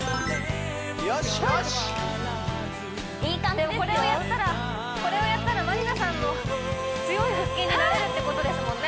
でもこれをやったらまりなさんの強い腹筋になれるってことですもんね